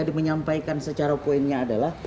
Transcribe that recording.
dimenyampaikan secara poinnya adalah